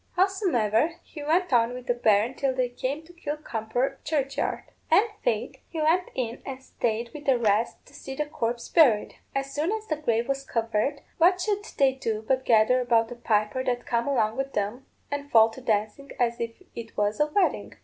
Howsomever, he went on with the berrin till they came to Kilcrumper churchyard; and, faith, he went in and stayed with the rest, to see the corpse buried. As soon as the grave was covered, what should they do but gather about a piper that come along with 'em, and fall to dancing as if it was a wedding.